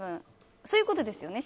そういうことですよね